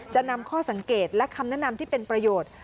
จะนำข้อสังเกตและคำแนะนำที่เป็นประโยชน์